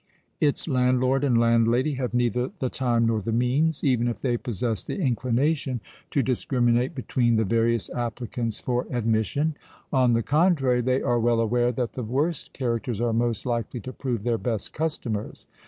Its landlord and landlady have neither the time nor the means—even if they possess the inclination—to discriminate between the various applicants for admission:—on the contrary, they are well aware that the worst characters are most likely to prove their best customers.